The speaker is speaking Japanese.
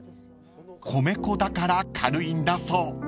［米粉だから軽いんだそう］